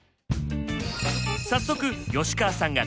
早速吉川さんが体験！